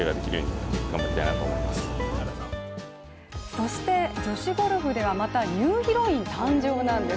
そして女子ゴルフではまたニューヒロイン誕生なんです。